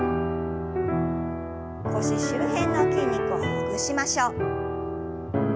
腰周辺の筋肉をほぐしましょう。